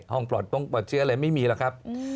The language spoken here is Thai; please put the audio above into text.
ปลอดป้องปลอดเชื้ออะไรไม่มีหรอกครับ